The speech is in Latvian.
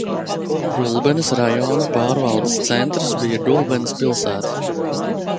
Gulbenes rajona pārvaldes centrs bija Gulbenes pilsēta.